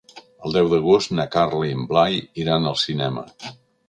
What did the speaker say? El deu d'agost na Carla i en Blai iran al cinema.